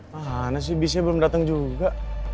mana sih bisnya belum datang juga